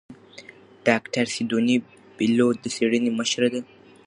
ډاکتره سیدوني بېلوت د څېړنې مشره ده.